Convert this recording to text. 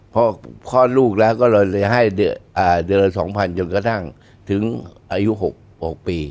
พอคลอดลูกแล้วก็เลยให้เดือนละ๒๐๐จนกระทั่งถึงอายุ๖๖ปี